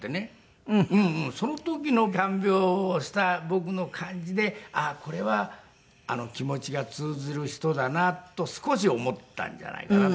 その時の看病をした僕の感じであっこれは気持ちが通ずる人だなと少し思ったんじゃないかなと。